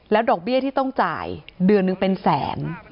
ดอกเบี้ยที่ต้องจ่ายเดือนหนึ่งเป็นแสน